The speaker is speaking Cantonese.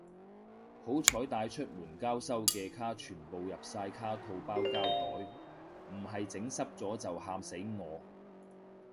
好彩帶出門交收嘅卡全部入晒卡套包膠袋，唔係整濕咗就喊死我